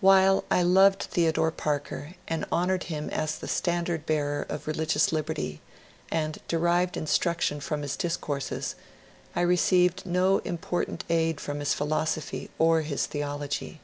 While I loved Theodore Parker and honoured him as the standard bearer of religious liberty, and derived instruction from his discourses, I received no important aid from his philosophy or his theology.